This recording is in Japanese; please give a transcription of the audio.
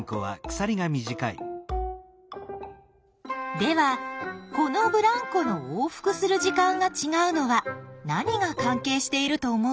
ではこのブランコの往復する時間がちがうのは何が関係していると思う？